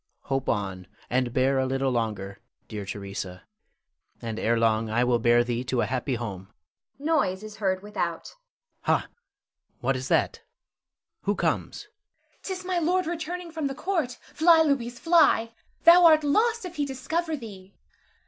Hope on and bear a little longer, dear Theresa, and ere long I will bear thee to a happy home [noise is heard without]. Ha! what is that? Who comes? Theresa. 'Tis my lord returning from the court. Fly, Louis, fly! Thou art lost if he discover thee.